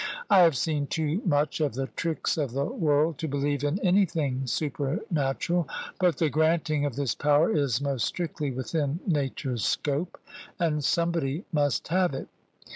I have seen too much of the tricks of the world to believe in anything supernatural; but the granting of this power is most strictly within nature's scope; and somebody must have it.